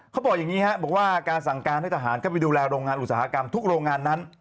เขาบอกอย่างนี้ครับบอกว่าการสั่งการให้ทหารเข้าไปดูแลโรงงานอุตสาหกรรมทุกโรงงานนั้น